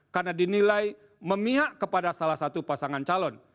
karena dinilai memihak kepada salah satu pasangan calon